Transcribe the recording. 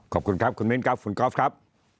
ขอบคุณครับคุณมิ้นครับคุณกอล์ฟครับ